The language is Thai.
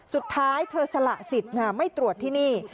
สุดท้ายเธอสละสิทธิ์ไม่ตรวจที่นี่